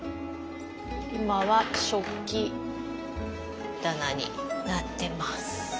今は食器棚になってます。